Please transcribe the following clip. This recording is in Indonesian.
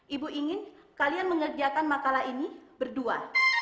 ibu ingin kalian mengerjakan makalah ini berdua